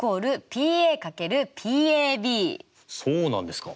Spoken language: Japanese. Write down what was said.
そうなんですか。